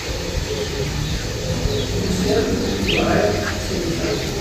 Usiɣ-d, ẓriɣ, selkeɣ.